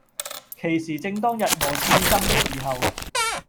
其時正當日俄戰爭的時候，